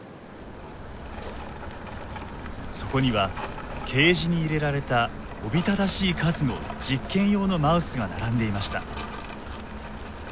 そこにはケージに入れられたおびただしい数の実験用のマウスが並んでいました。